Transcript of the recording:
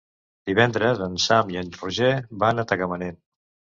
Dimecres en Sam i en Roger van a Tagamanent.